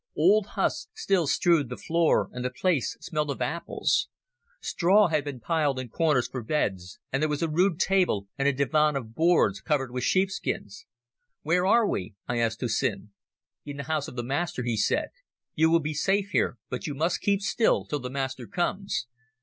Old husks still strewed the floor and the place smelt of apples. Straw had been piled in corners for beds, and there was a rude table and a divan of boards covered with sheepskins. "Where are we?" I asked Hussin. "In the house of the Master," he said. "You will be safe here, but you must keep still till the Master comes."